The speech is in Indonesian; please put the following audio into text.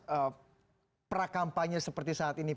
dan juga prakampanye seperti saat ini